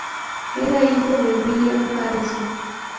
Era hijo de William Harrison.